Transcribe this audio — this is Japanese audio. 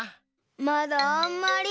まだあんまり。